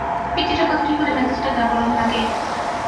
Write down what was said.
পিচ্চিটার কথা ঠিক হলে মেজাজটা যা গরম লাগে!